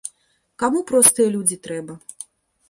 Каму простыя людзі трэба?